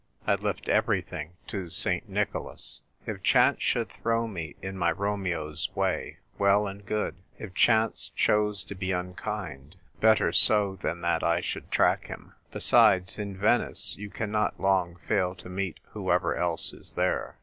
I left everything to St. Nicholas. If chance should throw me in my Romeo's way, well and good ; if chance chose to be unkind, better so than that I should track him. Besides, in Venice, you cannot long fail to meet whoever else is there.